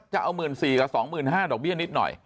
จะเอา๑๔๐๐กับ๒๕๐๐ดอกเบี้ยนิดหน่อย